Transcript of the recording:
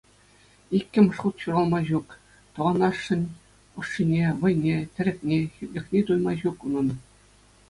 Иккӗмӗш хут ҫуралма ҫук, тӑван ашшӗн ӑшшине, вӑйне, тӗрекне, хӳтлӗхне туйма ҫук унӑн.